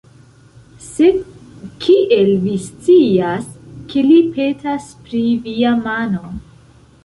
Sed, kiel vi scias, ke li petas pri via mano?